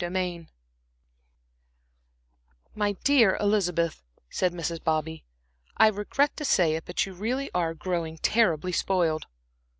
Chapter XVI "My dear Elizabeth," said Mrs. Bobby, "I regret to say it, but you really are growing terribly spoiled."